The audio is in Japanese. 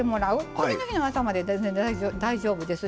次の日の朝まで全然大丈夫ですし。